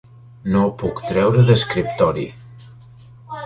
No puc treure d'escriptori.